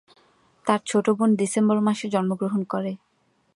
তার ছোট বোন ডিসেম্বর মাসে জন্মগ্রহণ করে।